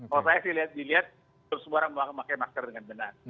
kalau saya sih dilihat semua orang memang memakai masker dengan benar